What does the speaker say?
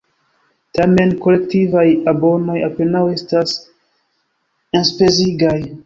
Tamen, kolektivaj abonoj apenaŭ estas enspezigaj.